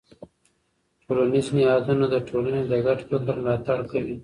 ټولنیز نهادونه د ټولنې د ګډ فکر ملاتړ کوي.